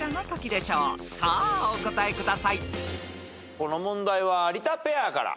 この問題は有田ペアから。